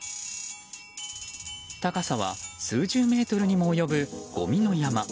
高さは数十メートルにも及ぶごみの山。